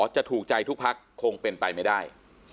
จะถูกใจทุกพักคงเป็นไปไม่ได้